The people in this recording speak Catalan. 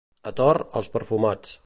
A Tor, els perfumats.